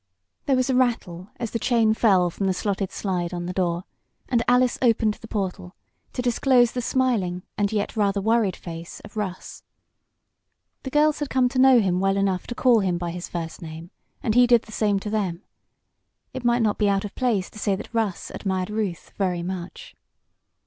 There was a rattle as the chain fell from the slotted slide on the door, and Alice opened the portal, to disclose the smiling and yet rather worried face of Russ. The girls had come to know him well enough to call him by his first name, and he did the same to them. It might not be out of place to say that Russ admired Ruth very much.